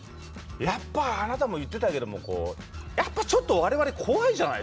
やっぱあなたも言ってたけどもやっぱちょっと我々怖いじゃないですか。